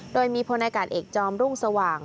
โดยมีพลอากาศเอกจอมรุ่งสว่าง